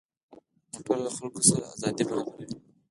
موټر له خلکو سره ازادي برابروي.